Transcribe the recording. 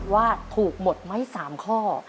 ว่าถูกหมดไหม๓ข้อ